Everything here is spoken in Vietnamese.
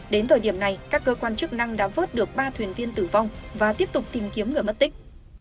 đến thời điểm này các cơ quan chức năng đã vớt được ba thuyền viên tử vong và tiếp tục tìm kiếm người mất tích